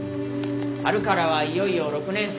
春からはいよいよ６年生。